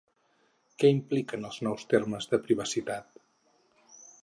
Què impliquen els nous termes de privacitat?